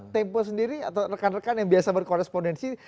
tempo sendiri atau rekan rekan yang biasa berkorespondensi